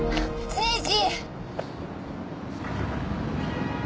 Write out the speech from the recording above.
誠治。